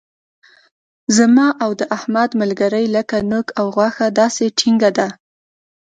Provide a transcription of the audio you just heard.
زما او د احمد ملګري لکه نوک او غوښه داسې ټینګه ده.